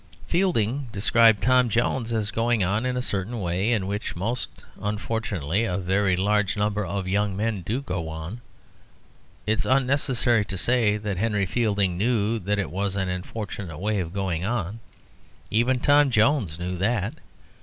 Fielding described Tom Jones as going on in a certain way, in which, most unfortunately, a very large number of young men do go on. It is unnecessary to say that Henry Fielding knew that it was an unfortunate way of going on. Even Tom Jones knew that.